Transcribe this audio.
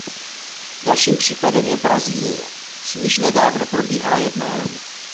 Dalším případem je Brazílie, s níž nedávno probíhala jednání.